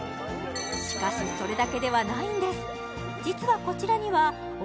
しかしそれだけではないんです